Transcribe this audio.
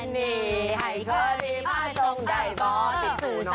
ใช่ไงมันเธอบ่